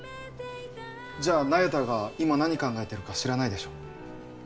じゃあ那由他が今何考えてるか知らないでしょ？